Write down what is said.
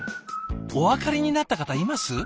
お分かりになった方います？